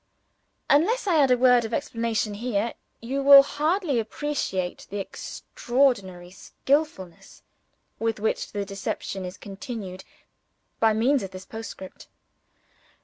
Unless I add a word of explanation here, you will hardly appreciate the extraordinary skillfulness with which the deception is continued by means of this postscript.